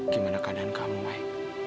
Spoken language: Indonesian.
gimana keadaan kamu mai